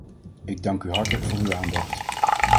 Ik dank u hartelijk voor uw aandacht.